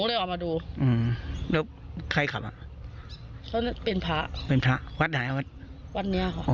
แล้วใครขับอ่ะเป็นพระเป็นพระวัดไหนอะวัด